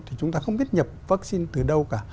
thì chúng ta không biết nhập vaccine từ đâu cả